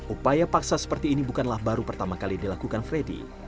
upaya paksa seperti ini bukanlah baru pertama kali dilakukan freddy